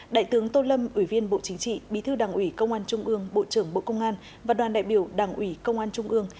đại tướng tô lâm ủy viên bộ chính trị bí thư đảng ủy công an trung ương bộ trưởng bộ công an và đoàn đại biểu đảng ủy công an trung ương